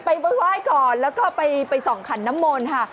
ไหว้ก่อนแล้วก็ไปส่องขันน้ำมนต์ค่ะ